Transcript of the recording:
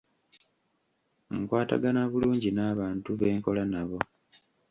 Nkwatagana bulungi n'abantu be nkola nabo.